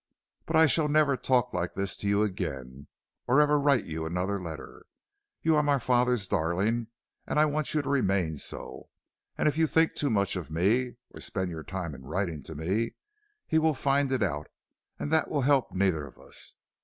But I shall never talk like this to you again or ever write you another letter. You are my father's darling, and I want you to remain so, and if you think too much of me, or spend your time in writing to me, he will find it out, and that will help neither of us.